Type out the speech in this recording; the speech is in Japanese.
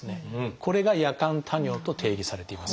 これが「夜間多尿」と定義されています。